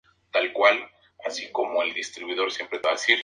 Esta disputa familiar quedó resuelta poco antes de la muerte de Jacques Cousteau.